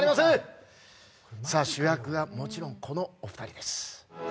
主役はもちろんこのお二人です。